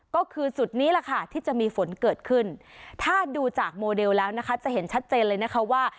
ก็คือจุดนี้แหละค่ะที่จะมีฝนเกิดขึ้นถ้าดูจากโมเดลแล้วนะคะจะเห็นชัดเจนเลยนะคะว่า